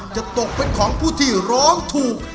จะตกเป็นของผู้ที่ร้องถูก